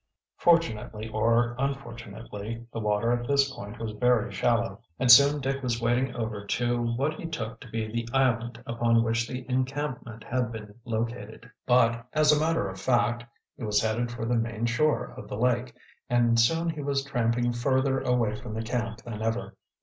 Fortunately or unfortunately, the water at this point was very shallow and soon Dick was wading over to what he took to be the island upon which the encampment had been located. But as a matter of fact he was headed for the main shore of the lake, and soon he was tramping further away from the camp than ever.